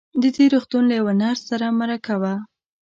د دې روغتون له يوه نرس سره مرکه وه.